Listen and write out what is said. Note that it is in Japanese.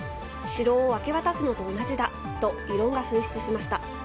城を明け渡すのと同じだと異論が噴出しました。